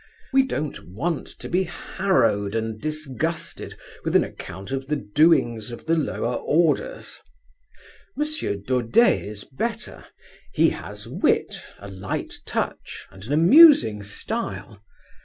We don't want to be harrowed and disgusted with an account of the doings of the lower orders. M. Daudet is better. He has wit, a light touch and an amusing style.